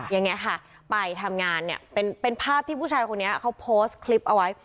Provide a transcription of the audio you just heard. อย่างนี้ค่ะไปทำงานเนี่ยเป็นภาพที่ผู้ชายคนนี้เขาโพสต์คลิปเอาไว้